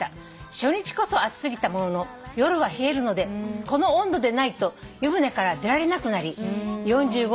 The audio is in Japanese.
「初日こそ熱過ぎたものの夜は冷えるのでこの温度でないと湯船から出られなくなり４５